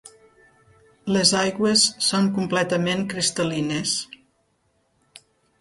Les aigües són completament cristal·lines.